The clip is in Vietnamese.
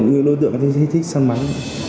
người đối tượng thích săn bắn